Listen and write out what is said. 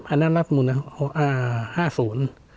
อันนั้นรัฐมนตร์๕๐